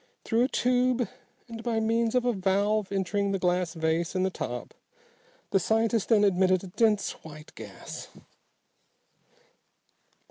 Through a tube, and by means of a valve entering the glass vase in the top, the scientist then admitted a dense white gas.